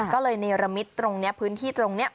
ก็เลยเนรมิตตรงนี้พื้นที่ตรงนี้